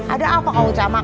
ada apa kau camak